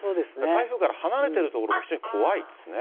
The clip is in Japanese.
台風から離れてる所も非常に怖いですね。